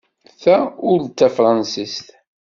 Ta ur d tafṛensist.